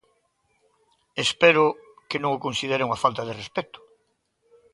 Espero que non o considere unha falta de respecto.